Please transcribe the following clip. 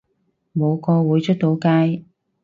冇個會出到街